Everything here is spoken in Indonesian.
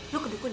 lo kedukun ya